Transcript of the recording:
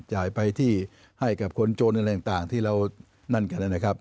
จ่ายไปที่ให้กับคนโจรอะไรต่างที่เรานั่นกันนะครับ